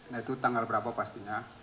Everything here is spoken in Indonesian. nah itu tanggal berapa pastinya